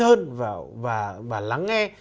hơn và lắng nghe